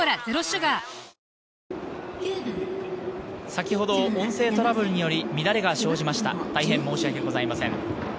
先ほど音声トラブルにより乱れが生じました、大変申しわけございません。